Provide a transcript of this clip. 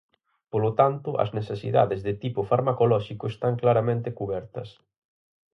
Polo tanto, as necesidades de tipo farmacolóxico están claramente cubertas.